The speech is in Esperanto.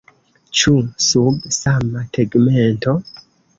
Ĉu sub sama tegmento?